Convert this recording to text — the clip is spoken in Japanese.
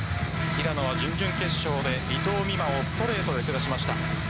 平野は準々決勝で伊藤美誠をストレートで下しました。